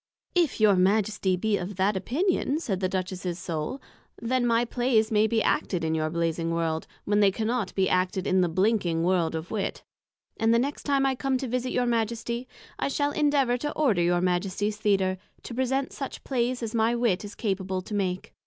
If your Majesty be of that Opinion, said the Duchess's Soul, then my Playes may be acted in your Blazing World, when they cannot be acted in the Blinking World of Wit; and the next time I come to visit your Majesty, I shall endeavour to order your Majesty's Theatre, to present such Playes as my Wit is capable to make.